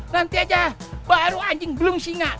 nanti aja baru anjing belum singa